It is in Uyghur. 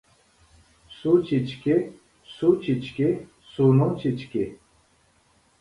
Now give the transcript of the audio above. سۇ چېچىكى، سۇ چېچىكى، سۇنىڭ چېچىكى.